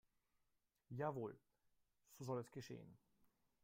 Jawohl, so soll es geschehen.